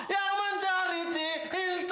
yang mencari cinta